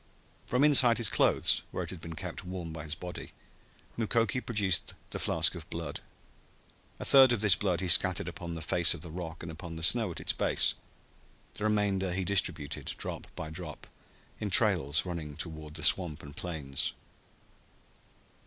From inside his clothes, where it had been kept warm by his body, Mukoki produced the flask of blood. A third of this blood he scattered upon the face of the rock and upon the snow at its base. The remainder he distributed, drop by drop, in trails running toward the swamp and plains.